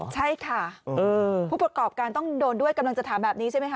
ใช่ค่ะผู้ประกอบการต้องโดนด้วยกำลังจะถามแบบนี้ใช่ไหมคะ